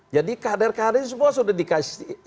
jadi kader kader semua sudah dikasih